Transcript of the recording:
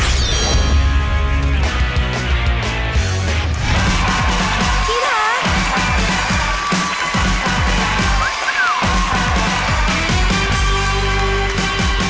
บิดฟรานส์